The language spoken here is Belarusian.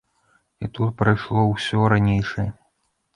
І тут прайшло ўсё ранейшае.